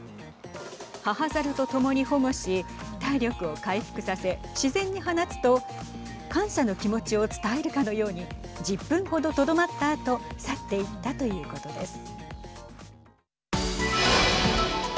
母ザルとともに保護し体力を回復させ、自然に放つと感謝の気持ちを伝えるかのように１０分程とどまったあと去っていったということです。